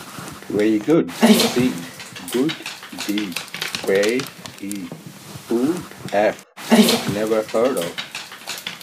Very Good C. Good D. Fair E. Poor F. Never heard of.